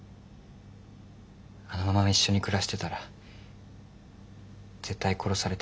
あのまま一緒に暮らしてたら絶対殺されてましたよ。